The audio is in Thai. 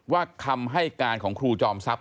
คำให้การของครูจอมทรัพย